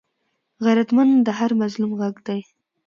غیرتمند د هر مظلوم غږ دی